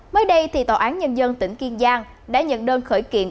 mới đây tòa án nhân dân tỉnh kiên giang đã nhận đơn khởi kiện